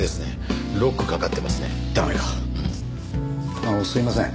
あのすいません